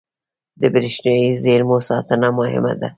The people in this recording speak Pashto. • د برېښنايي زېرمو ساتنه مهمه ده.